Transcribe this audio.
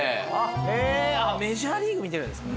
メジャーリーグ見てるんですか？